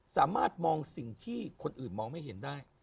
สามารถมองสิ่งที่คนอื่นมองไม่เห็นได้